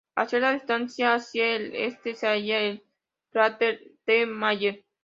A cierta distancia hacia el este se halla el cráter T. Mayer.